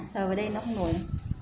sờ vào đây nó không nổi